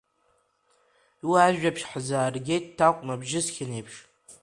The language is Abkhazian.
Уи ажәабжь ҳзааргеит такә набжьысхьан еиԥш…